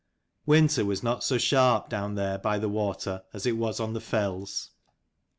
Winter was not so sharp, down there by the water, as it was on the fells.